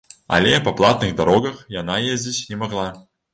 Але па платных дарогах яна ездзіць не магла.